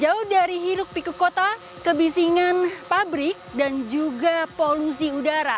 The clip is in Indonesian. jauh dari hiruk pikuk kota kebisingan pabrik dan juga polusi udara